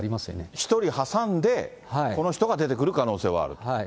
１人挟んで、この人が出てくる可能性はあると。